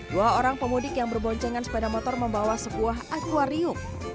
dua orang pemudik yang berboncengan sepeda motor membawa sebuah akwarium